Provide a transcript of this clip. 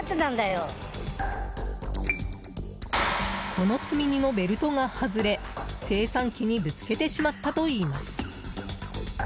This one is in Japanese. この積み荷のベルトが外れ精算機にぶつけてしまったといいます。